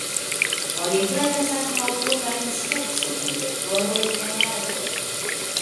Oni flegas ankaŭ plurajn specojn de floroj kaj arboj.